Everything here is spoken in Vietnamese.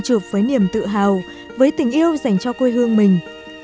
chụp với niềm tự hào với tình yêu dành cho quê hương mình